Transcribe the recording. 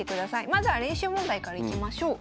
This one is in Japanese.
まずは練習問題からいきましょう。